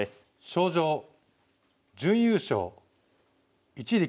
「賞状準優勝一力